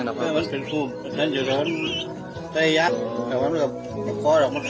คุณภาพคุณภาพ